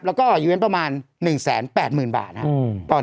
แล้วก็ออกอีเวนต์ประมาณ๑๘๐๐๐๐บาทฮะ